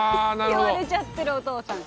言われちゃってるお父さん。